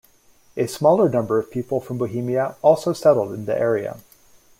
A smaller number of people from Bohemia also settled in the area.